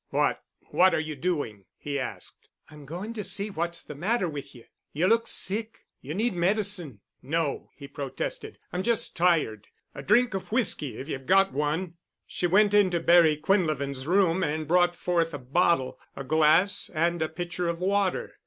"What—what are you doing?" he asked. "I'm going to see what's the matter with you. You look sick. You need medicine." "No," he protested. "I'm just tired. A drink of whisky if you've got one——" She went into Barry Quinlevin's room and brought forth a bottle, a glass and a pitcher of water.